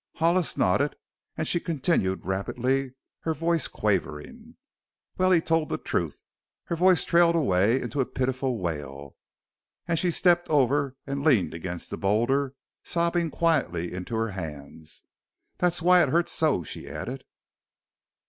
Hollis nodded and she continued rapidly, her voice quavering: "Well, he told the truth." Her voice trailed away into a pitiful wail, and she stepped over and leaned against the boulder, sobbing quietly into her hands. "That's why it hurts so," she added.